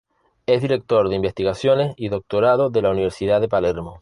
Es Director de Investigaciones y Doctorado de la Universidad de Palermo.